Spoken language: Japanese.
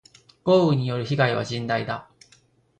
豪雨による被害は甚大だ。